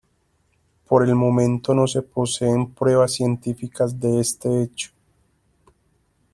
Por el momento no se poseen pruebas científicas de este hecho.